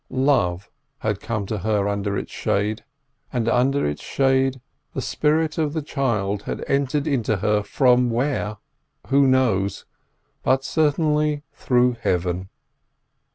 Love had come to her under its shade; and under its shade the spirit of the child had entered into her—from where, who knows? But certainly through heaven.